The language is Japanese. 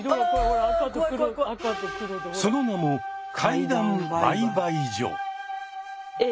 その名も「怪談売買所」。